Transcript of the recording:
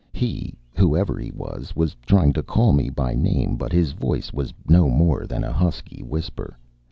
He, whoever he was, was trying to call me by name, but his voice was no more than a husky whisper.